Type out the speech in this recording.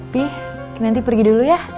pih nanti pergi dulu ya